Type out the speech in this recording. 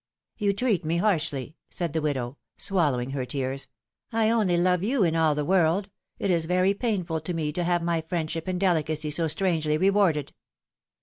^' ^^You treat me harshly said the widow, swallowing her tears. I only love you, in all the world ; it is very painful to me to have my friendship and delicacy so strangely rewarded